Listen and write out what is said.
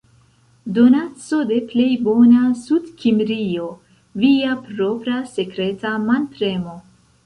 Donaco de plej bona Sudkimrio - via propra sekreta manpremo!